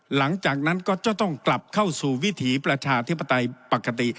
หลังจากนั้นก็จะต้องกลับเข้าสู่วิถีประชาธิปไตยปกติ